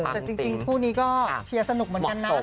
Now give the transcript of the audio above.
แต่จริงคู่นี้ก็เชียร์สนุกเหมือนกันนะ